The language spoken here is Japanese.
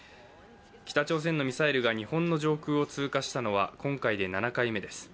北朝鮮のミサイルが日本の上空を通過したのは今回で７回目です。